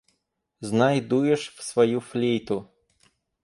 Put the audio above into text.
Знай дуешь в свою флейту!